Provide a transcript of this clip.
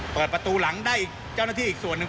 เปิดประตูหลังได้อีกเจ้าหน้าที่อีกส่วนหนึ่ง